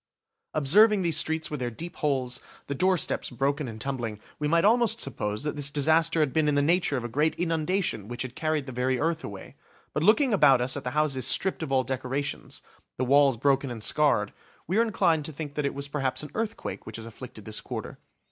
Observing these streets with their deep holes, the doorsteps broken and tumbling, we might almost suppose that this disaster had been in the nature of a great inundation which had carried the very earth away; but looking about us at the houses stripped of all decorations, the walls broken and scarred, we are inclined to think that it was perhaps an earthquake which has afflicted this quarter.